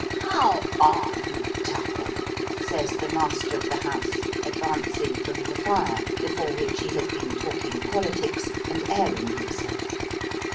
" How are you, Tupple?" says the master of the house, advancing from the fire, before which he has been talking politics and airing himself.